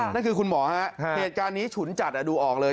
นั่นคือคุณหมอฮะเหตุการณ์นี้ฉุนจัดดูออกเลย